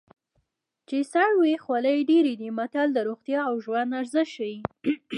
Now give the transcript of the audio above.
چې سر وي خولۍ ډېرې دي متل د روغتیا او ژوند ارزښت ښيي